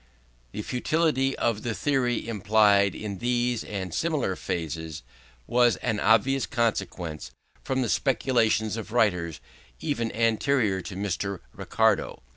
The futility of the theory implied in these and similar phrases, was an obvious consequence from the speculations of writers even anterior to Mr. Ricardo.